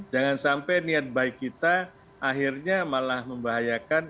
jangan sampai niat baik kita akhirnya malah membahayakan